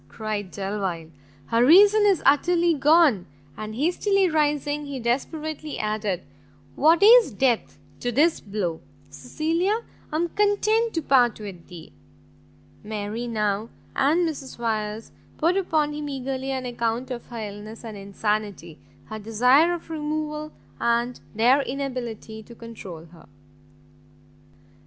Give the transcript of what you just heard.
cried Delvile, "her reason is utterly gone!" And, hastily rising, he desperately added, "what is death to this blow? Cecilia, I am content to part with thee!" Mary now, and Mrs Wyers, poured upon him eagerly an account of her illness, and insanity, her desire of removal, and their inability to control her.